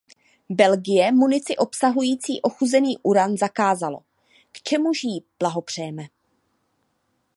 Belgie munici obsahující ochuzený uran zakázalo, k čemuž jí blahopřejeme.